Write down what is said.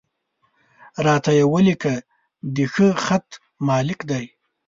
را ته یې ولیکه، د ښه خط مالک دی.